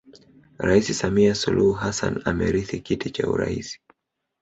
Rais Samia Suluhu Hassan amerithi kiti cha urais